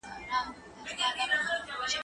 زه پرون چپنه پاکوم؟